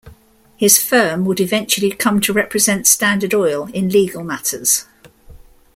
His firm would eventually come to represent Standard Oil in legal matters.